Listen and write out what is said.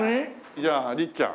じゃあ律ちゃん。